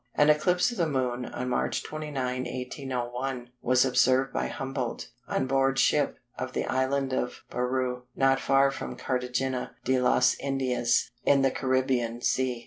An eclipse of the Moon, on March 29, 1801, was observed by Humboldt, on board ship, off the Island of Baru, not far from Cartagena de las Indias, in the Caribbean Sea.